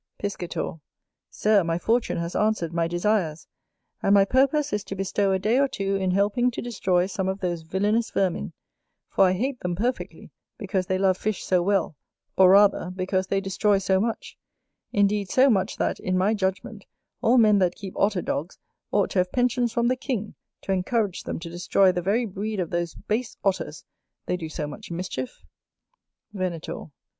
Piscator. Sir, my fortune has answered my desires, and my purpose is to bestow a day or two in helping to destroy some of those villanous vermin: for I hate them perfectly, because they love fish so well, or rather, because they destroy so much; indeed so much, that, in my judgment all men that keep Otter dogs ought to have pensions from the King, to encourage them to destroy the very breed of those base Otters, they do so much mischief. Venator.